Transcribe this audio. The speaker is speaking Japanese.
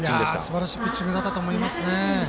すばらしいピッチングだったと思います。